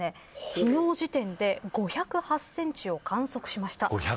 昨日の時点で５０８センチを観測しました。